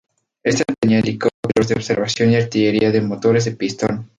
Esta tenía helicópteros de observación y artillería de motores de pistón.